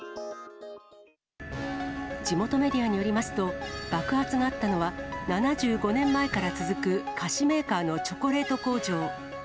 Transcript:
地元メディアによりますと、爆発があったのは、７５年前から続く菓子メーカーのチョコレート工場。